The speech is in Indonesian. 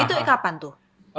itu kapan tuh